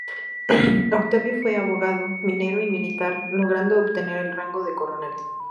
Octaviano fue abogado, minero y militar logrando obtener el rango de coronel.